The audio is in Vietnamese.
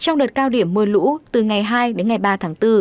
trong đợt cao điểm mưa lũ từ ngày hai đến ngày ba tháng bốn